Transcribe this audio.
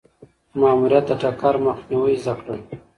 ماموریت د ټکر مخنیوی زده کړل.